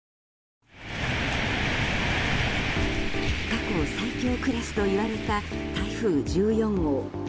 過去最強クラスといわれた台風１４号。